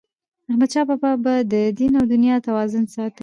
احمدشاه بابا به د دین او دنیا توازن ساته.